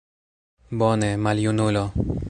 Bone, maljunulo!